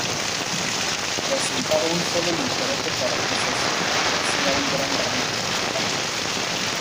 Presentaba un solo limpiador de parabrisas que hacía un gran barrido vertical.